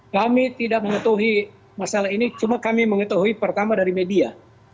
kami tidak mengetahui masalah ini cuma kami mengetahui pertama dari media